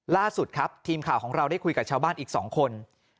ล่าสุดครับทีมข่าวของเราได้คุยกับชาวบ้านอีก๒คน